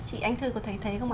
chị anh thư có thấy thế không ạ